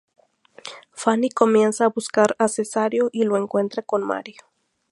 Fanny comienza a buscar a Cesario y lo encuentra con Mario.